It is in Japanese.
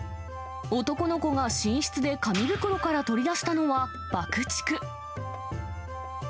男の子が寝室で紙袋から取り出したのは、爆竹。